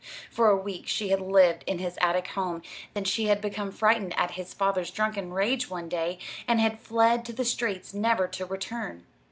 For a week she had lived in his attic home, then she had become frightened at his father's drunken rage, one day, and had fled to the streets, never to return.